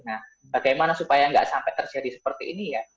nah bagaimana supaya nggak sampai terjadi seperti ini ya